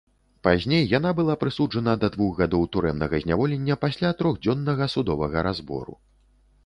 Пазней яна была прысуджана да двух гадоў турэмнага зняволення пасля трохдзённага судовага разбору.